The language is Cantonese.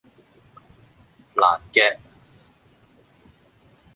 爛 gag